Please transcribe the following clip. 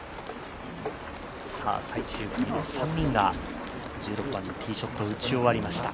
最終組の３人が、１６番のティーショットを打ち終わりました。